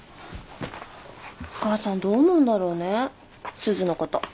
お母さんどう思うんだろうねすずのこと。